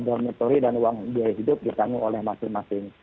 jadi uang dormitory dan uang biaya hidup ditanggung oleh masing masing